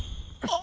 あ。